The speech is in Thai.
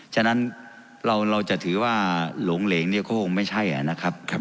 ฉะนั้นเราจะถือว่าหลงเหลงเนี่ยก็คงไม่ใช่นะครับ